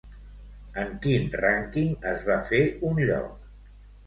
En quin rànquing es va fer un lloc?